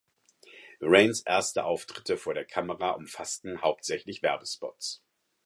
Rains erste Auftritte vor der Kamera umfassten hauptsächlich Werbespots.